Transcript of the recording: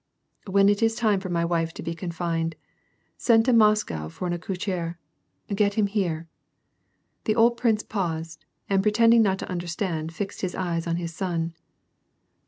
"When it is time for ray wife to be confined, send to Mos cow for an accoucheur. Get him here." The old prince paused, and pretending not to understand, fixed his eyes on his son.